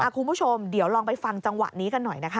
คุณผู้ชมเดี๋ยวลองไปฟังจังหวะนี้กันหน่อยนะคะ